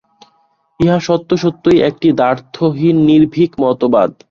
ইহা সত্যসত্যই একটি দ্ব্যর্থহীন নির্ভীক মতবাদ।